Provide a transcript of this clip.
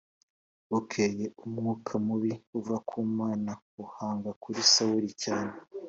Bukeye umwuka mubi uva ku Mana ahanga kuri Sawuli cyane